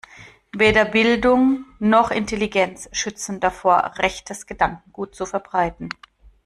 Weder Bildung noch Intelligenz schützen davor, rechtes Gedankengut zu verbreiten.